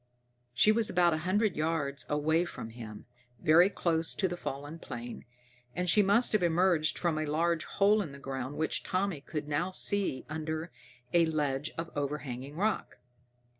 She was about a hundred yards away from him, very close to the fallen plane, and she must have emerged from a large hole in the ground which Tommy could now see under a ledge of overhanging rock.